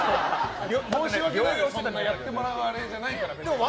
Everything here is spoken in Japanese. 申し訳ないよやってもらうあれじゃないから。